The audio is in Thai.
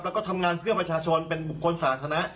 แล้วก็ทำงานเพื่อประชาชนเป็นบุคคลสาธารณะ